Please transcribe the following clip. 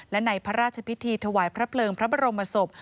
และในพระราชพิธีถวายพระเพลิงพระบรมศพ